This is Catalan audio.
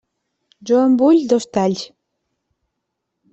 Jo en vull dos talls.